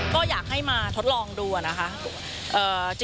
ก็อยากให้มาทดลองดูนะคะ